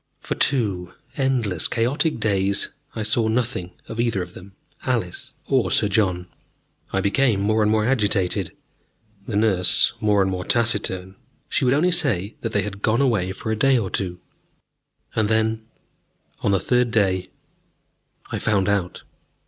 For two endless, chaotic days, I saw nothing of either of them, Alice or Sir John. I became more and more agitated, the nurse more and more taciturn. She would only say that they had gone away for a day or two. And then, on the third day, I found out.